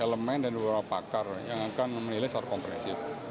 elemen dan beberapa pakar yang akan menilai secara komprehensif